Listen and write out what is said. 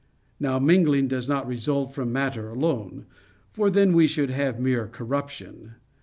Now mingling does not result from matter alone; for then we should have mere corruption.